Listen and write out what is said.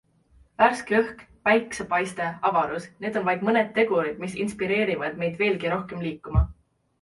Värske õhk, päikesepaiste, avarus - need on vaid mõned tegurid, mis inspireerivad meid veelgi rohkem liikuma.